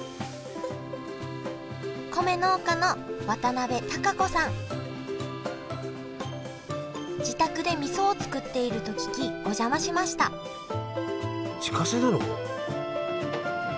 米農家の自宅でみそを作っていると聞きお邪魔しました自家製なの！？